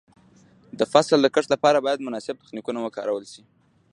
د فصل د کښت لپاره باید مناسب تخنیکونه وکارول شي.